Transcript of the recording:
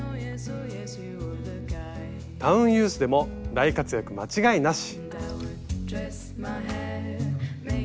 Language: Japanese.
タウンユースでも大活躍間違いなし。